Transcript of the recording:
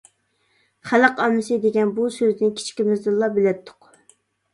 خەلق ئاممىسى دېگەن بۇ سۆزنى كىچىكىمىزدىلا بىلەتتۇق.